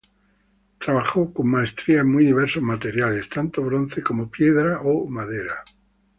Trabajó con maestría en muy diversos materiales, tanto bronce como piedra o madera.